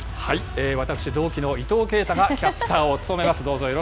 私、同期の伊藤慶太がキャスターを務めます。